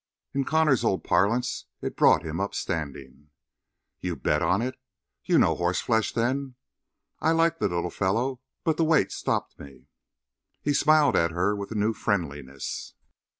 In Connor's own parlance it brought him up standing. "You bet on it? You know horse flesh, then. I like the little fellow, but the weight stopped me." He smiled at her with a new friendliness.